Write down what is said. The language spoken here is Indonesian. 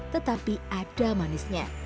tetapi ada manisnya